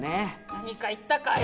何か言ったかい？